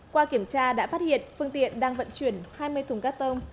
qua kiểm tra đã phát hiện phương tiện đang vận chuyển hai mươi thùng gác tôm